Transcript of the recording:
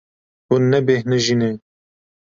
Hûn nebêhnijî ne.